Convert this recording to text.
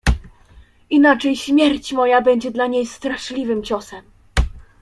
Inaczej śmierć moja będzie dla niej straszliwym ciosem.